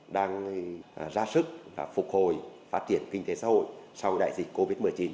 đang ra sức phục hồi phát triển kinh tế xã hội sau đại dịch covid một mươi chín